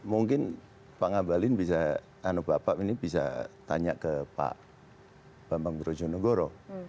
mungkin pak ngabalin bisa anu bapak ini bisa tanya ke pak bambang brojonegoro